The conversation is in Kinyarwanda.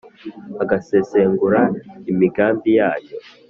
agasesengura imigambi yanyu.